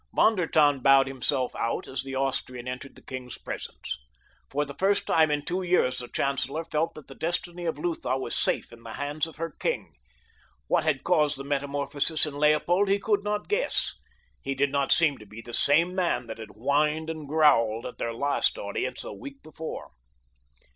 Von der Tann bowed himself out as the Austrian entered the king's presence. For the first time in two years the chancellor felt that the destiny of Lutha was safe in the hands of her king. What had caused the metamorphosis in Leopold he could not guess. He did not seem to be the same man that had whined and growled at their last audience a week before.